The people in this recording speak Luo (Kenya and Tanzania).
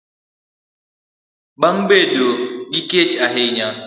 bang' bedo gi kech ahinya.